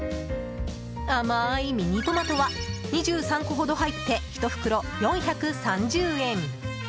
甘いミニトマトは２３個ほど入って１袋４３０円。